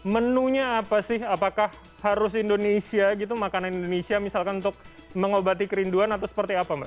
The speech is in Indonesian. menunya apa sih apakah harus indonesia gitu makanan indonesia misalkan untuk mengobati kerinduan atau seperti apa mbak